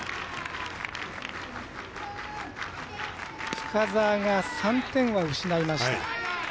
深沢が３点は失いました。